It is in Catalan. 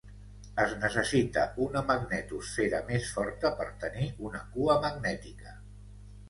Es necessita una magnetosfera més forta per tenir una cua magnètica.